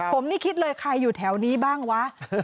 ผมนี่คิดเลยใครอยู่แถวนี้บ้างวะ